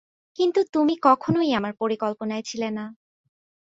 কিন্তু তুমি কখনোই আমার পরিকল্পনায় ছিলে না।